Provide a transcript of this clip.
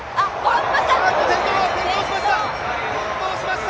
転倒しました！